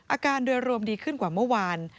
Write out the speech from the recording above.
อาการโดยรวมดีขึ้นกว่าเมื่อวาน